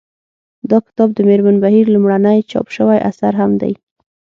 دا کتاب د مېرمن بهیر لومړنی چاپ شوی اثر هم دی